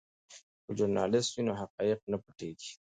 که ژورنالیست وي نو حقایق نه پټیږي.